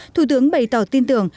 thủ tướng bày tỏ tin tưởng